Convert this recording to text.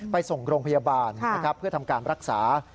ไปส่งโรงพยาบาลนะครับเพื่อทำการรักษา